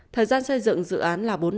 thời gian xây dựng dự án là bốn năm